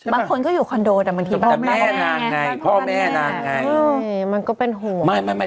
บางคนก็อยู่คอนโดแต่แม่นางไง